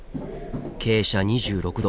傾斜２６度。